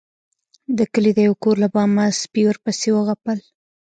د کلي د يو کور له بامه سپي ورپسې وغپل.